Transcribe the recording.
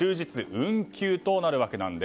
運休となるんです。